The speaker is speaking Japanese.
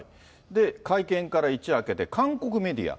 で、会見から一夜明けて、韓国メディア。